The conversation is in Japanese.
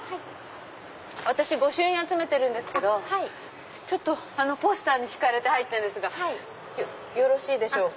私御朱印集めてるんですけどあのポスターに引かれたんですがよろしいでしょうか？